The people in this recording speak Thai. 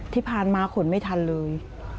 ที่ผ่านมาขนไม่ทันเลย